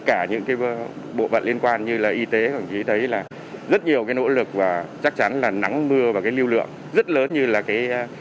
cả những cái bộ phận liên quan như là y tế đồng chí thấy là rất nhiều cái nỗ lực và chắc chắn là nắng mưa và cái lưu lượng rất lớn như là cái